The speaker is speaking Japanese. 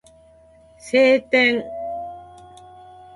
晴天